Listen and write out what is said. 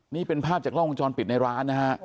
นี่เป็นภาพจากร่องจรปิดนะครับ